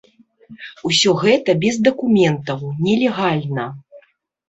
Усё гэта без дакументаў, нелегальна.